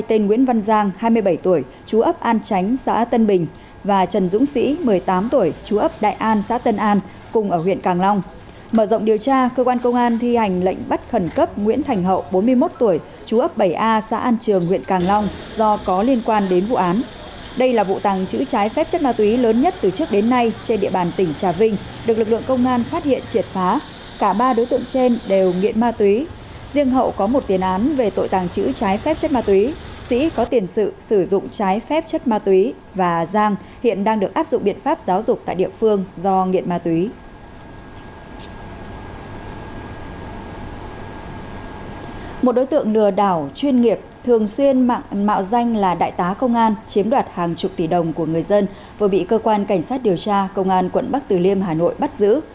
thường xuyên mạo danh là đại tá công an chiếm đoạt hàng chục tỷ đồng của người dân vừa bị cơ quan cảnh sát điều tra công an quận bắc từ liêm hà nội bắt giữ